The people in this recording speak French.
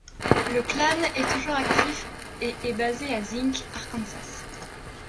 Le klan est toujours actif, et est basé à Zinc, Arkansas.